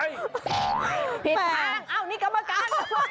ละอันนี้กรรมการ